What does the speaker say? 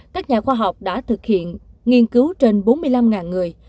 các nhà khoa học đã thực hiện nghiên cứu trên bốn mươi năm người